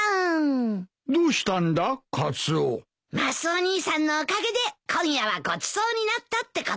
マスオ兄さんのおかげで今夜はごちそうになったってこと。